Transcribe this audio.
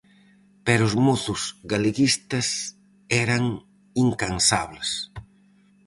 Pero os mozos galeguistas eran incansables.